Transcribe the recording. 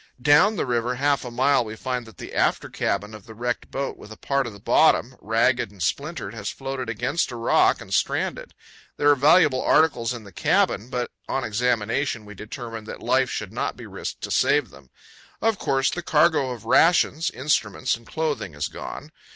Down the river half a mile we find that the after cabin of the powell canyons 107.jpg METALLIFEROUS VEINS EXPOSED TO VIEW. wrecked boat, with a part of the bottom, ragged and splintered, has floated against a rock and stranded. There are valuable articles in the cabin; but, on examination, we determine that life should not THE CANYON OF LODORE. 157 be risked to save them. Of course, the cargo of rations, instruments, and clothing is gone.